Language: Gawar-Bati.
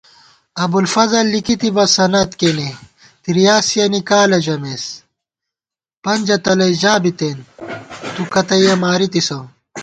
ابُوالفضل لِکی تِبہ سند کېنےتریاسِیَنی کالہ ژمېس * پنجہ تلَئ ژا بِتېن تُوکتّیَہ مارِتِسہ